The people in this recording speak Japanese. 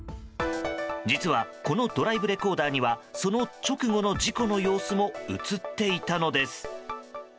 実はこのドライブレコーダーにはその直後の事故の様子も映っていたのです。